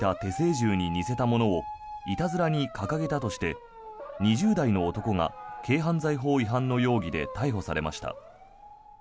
銃に似せたものをいたずらに掲げたとして２０代の男が軽犯罪法違反の疑いで逮捕されました。